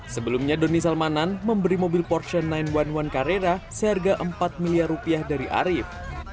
sebelumnya doni salmanan memberi mobil portion sembilan carrera seharga empat miliar rupiah dari arief